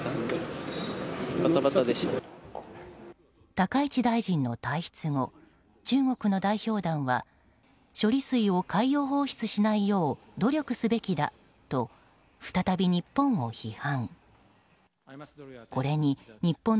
高市大臣の退出後中国の代表団は処理水を海洋放出しないよう努力すべきだと再び日本を批判。